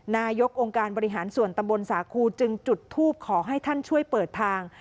นายกองค์การบริหารส่วนตำบลสาคูจึงจุดทูปขอให้ท่านช่วยเปิดทาง